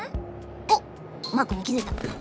おっマークにきづいた。